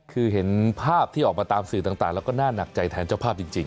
คือเห็นภาพที่ออกมาตามสื่อต่างแล้วก็น่าหนักใจแทนเจ้าภาพจริง